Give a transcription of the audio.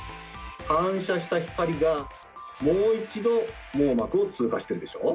反射した光がもう一度網膜を通過してるでしょ？